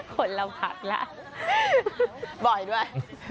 มันเราผัดร้านบ่อยด้วย